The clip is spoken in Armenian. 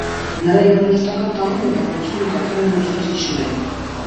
Նրա երաժշտական տաղանդը դպրոցում նկատել են ուսուցիչները։